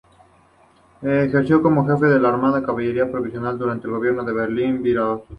Ejerció como jefe del arma de caballería provincial durante el gobierno de Benjamín Virasoro.